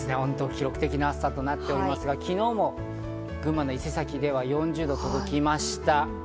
記録的な暑さとなっておりますが、昨日も群馬の伊勢崎では４０度に届きました。